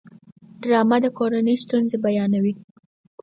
ډرامه د کورنۍ ستونزې بیانوي